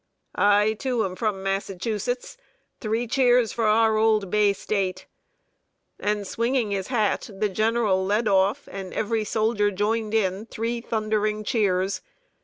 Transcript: "I, too, am from Massachusetts; three cheers for our old Bay State!" And swinging his hat, the general led off, and every soldier joined in three thundering cheers.